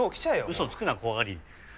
嘘つくな怖がり！